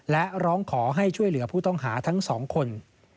และร้องขอให้ช่วยเหลือผู้ต้องหาทั้งสองคน